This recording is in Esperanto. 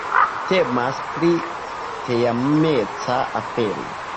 Temas pri teameca afero.